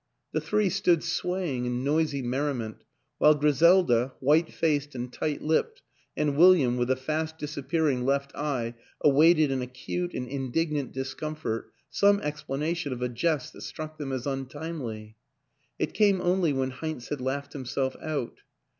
The three stood swaying in noisy merriment, while Griselda, white faced and tight lipped, and William with a fast disappearing left eye awaited in acute and indignant discomfort some explanation of a jest that struck them as untimely. It came only when Heinz had laughed himself out.